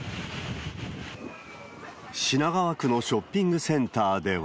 品川区のショッピングセンターでは。